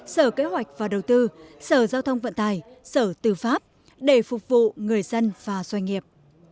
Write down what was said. sở kế hoạch và đầu tư sở giao thông vận tải sở tư pháp để phục vụ người dân và doanh nghiệp